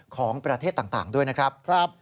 ของประเทศต่างด้วยนะครับ